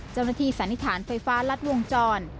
เจ้าหน้าที่สันนิษฐานไฟฟ้ารัดวงจร